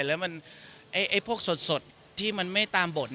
แล้วพวกสดที่มันไม่ตามบท